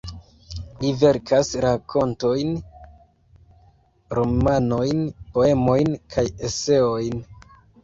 Li verkas rakontojn, romanojn, poemojn kaj eseojn.